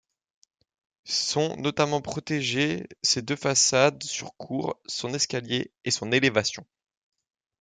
Sont notamment protégés ses deux façades sur cour, son escalier et son élévation.